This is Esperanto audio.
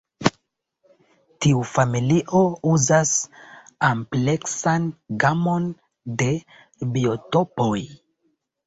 Tiu familio uzas ampleksan gamon de biotopoj.